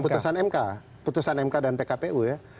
pkpu dan putusan mk putusan mk dan pkpu ya